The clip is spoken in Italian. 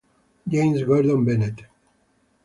James Gordon Bennett